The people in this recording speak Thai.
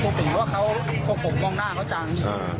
พูดถึงว่าเค้าปกปกมองหน้าเค้าจัง